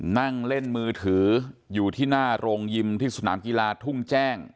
นั่งเล่นมือถืออยู่ที่หน้าโรงยิมที่สนามกีฬาทุ่งแจ้ง